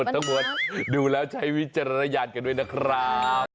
ทั้งหมดดูแล้วใช้วิจารณญาณกันด้วยนะครับ